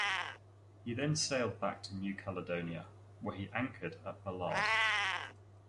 He then sailed back to New Caledonia, where he anchored at Balade.